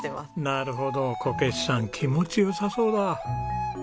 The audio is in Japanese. なるほどこけしさん気持ち良さそうだ。